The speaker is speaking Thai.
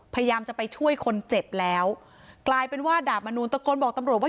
พยายามจะไปช่วยคนเจ็บแล้วกลายเป็นว่าดาบมนูลตะโกนบอกตำรวจว่า